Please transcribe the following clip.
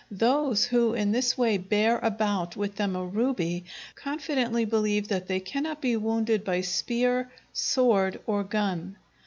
Those who in this way bear about with them a ruby, confidently believe that they cannot be wounded by spear, sword, or gun.